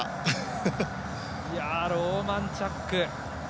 ローマンチャック